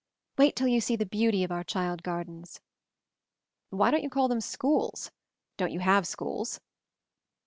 Wait till you see the beauty of our child gardens I" "Why don't you call them schools? Don't you have schools?"